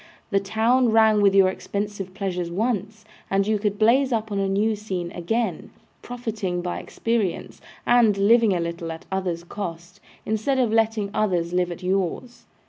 The town rang with your expensive pleasures once, and you could blaze up on a new scene again, profiting by experience, and living a little at others' cost, instead of letting others live at yours.